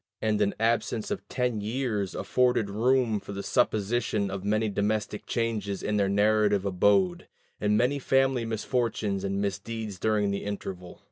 And an absence of ten years afforded room for the supposition of many domestic changes in their native abode, and many family misfortunes and misdeeds during the interval.